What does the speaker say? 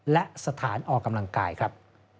และสถานออกกำลังกายครับ